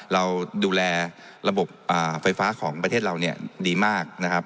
เราดูแลระบบไฟฟ้าของประเทศเราเนี่ยดีมากนะครับ